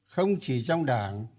không chỉ trong đảng